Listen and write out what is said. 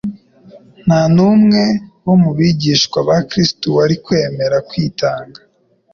Nta n'umwe wo mu bigishwa ba Kristo wari wakwemera kwitanga